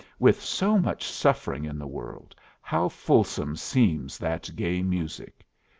"With so much suffering in the world, how fulsome seems that gay music!"